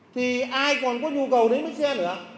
thì ai còn có nhu cầu đến với xe nữa